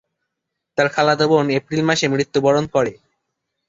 তার খালাতো বোন এপ্রিল মাসে মৃত্যুবরণ করে।